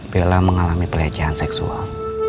bella mengalami pelecehan seksual